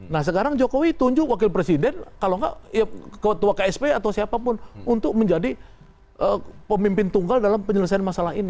nah sekarang jokowi tunjuk wakil presiden kalau enggak ya ketua ksp atau siapapun untuk menjadi pemimpin tunggal dalam penyelesaian masalah ini